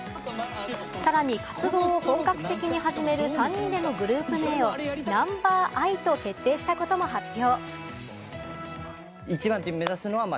さらに活動を本格的に始める３人でのグループ名をＮｕｍｂｅｒｉと決定したことも発表。